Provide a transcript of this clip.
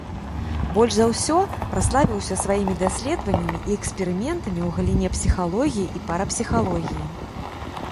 Больш за ўсё праславіўся сваімі даследаваннямі і эксперыментамі ў галіне псіхалогіі і парапсіхалогіі.